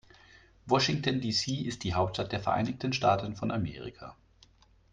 Washington, D.C. ist die Hauptstadt der Vereinigten Staaten von Amerika.